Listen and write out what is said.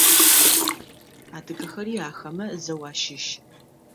Адыгэхэри ахэмэ зэу ащыщ.